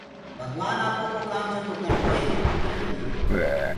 ڀگوآن آپو ڪو ڪآم جيڪو ڪردو هي وو ڪُدرتيٚ هي۔